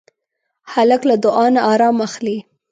هلک له دعا نه ارام اخلي.